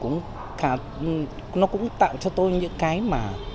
nó cũng tạo cho tôi những cái mà